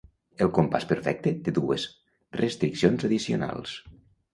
El compàs perfecte té dues restriccions addicionals.